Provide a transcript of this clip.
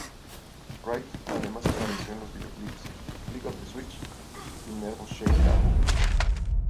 Wright, además apareció en los videoclips "Flick of the switch" y "Nervous Shakedown".